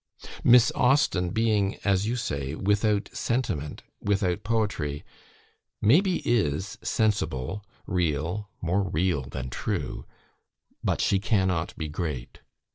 Miss Austen being, as you say, without 'sentiment,' without Poetry, maybe IS sensible, real (more REAL than TRUE), but she cannot be great.